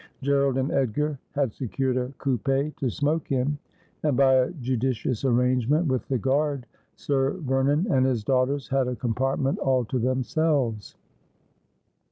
G erald and Edgar had secured a coupe to smoke in ; and by a judicious arrangement with the guard Sir Vernon and his daughters had a compartment all to themselves.